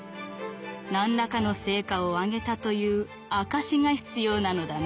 何らかの成果を上げたという証しが必要なのだな」。